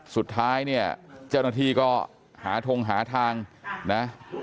สุดท้ายเนี่ยเจ้าหน้าที่ก็หาทงหาทางนะ